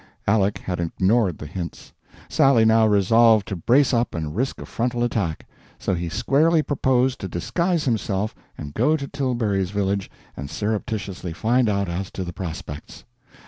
Aleck had ignored the hints. Sally now resolved to brace up and risk a frontal attack. So he squarely proposed to disguise himself and go to Tilbury's village and surreptitiously find out as to the prospects.